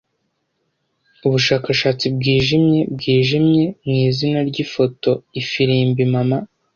Ubushakashatsi bwijimye bwijimye mwizina ryifoto Ifirimbi Mama